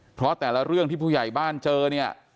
เพราะแต่ละเรื่องที่ผู้ใหญ่บ้านเจอเนี่ย